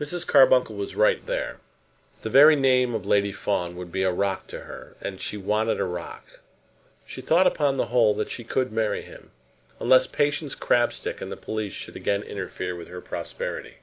Mrs. Carbuncle was right there. The very name of Lady Fawn would be a rock to her, and she wanted a rock. She thought upon the whole that she could marry him; unless Patience Crabstick and the police should again interfere with her prosperity.